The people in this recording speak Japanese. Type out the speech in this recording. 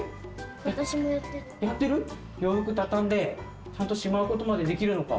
洋服畳んでちゃんとしまうことまでできるのか。